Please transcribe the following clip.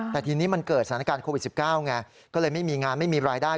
แต่ทีนี้มันเกิดสถานการณ์โควิด๑๙ไงก็เลยไม่มีงานไม่มีรายได้